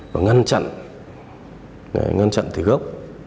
và ngăn chặn ngăn chặn từ gốc